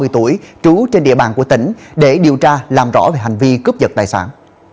ba mươi tuổi trú trên địa bàn của tỉnh để điều tra làm rõ về hành vi cướp giật tài sản